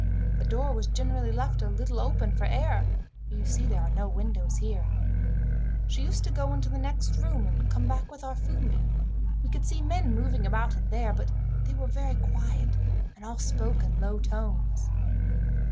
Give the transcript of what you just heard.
The door was generally left a little open for air, for you see there are no windows here. She used to go into the next room and come back with our food. We could see men moving about in there, but they were very quiet, and all spoke in low tones.